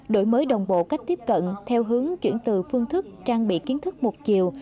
đổi mới đồng bộ cách tiếp cận theo hướng chuyển từ phương thức trang bị kiến thức một chiều